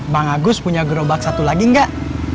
bang agus punya growback satu lagi gak